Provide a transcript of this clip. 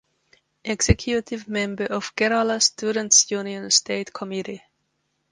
Executive Member of Kerala Students Union state committee.